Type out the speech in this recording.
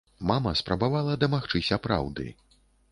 Мама спрабавала дамагчыся праўды.